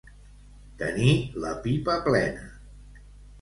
Tenir la pipa plena.